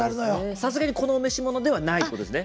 さすがにこのお召し物ではないんですね？